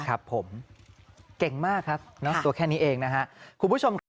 ครับผมเก่งมากครับตัวแค่นี้เองนะครับ